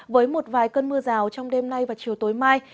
với một vài cơn mưa rào trong đêm nay và chiều tối mai